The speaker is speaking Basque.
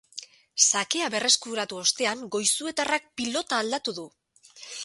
Sakea berreskuratu ostean goizuetarrak pilota aldatu du.